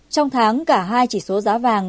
trong tháng cả hai chỉ số giá vàng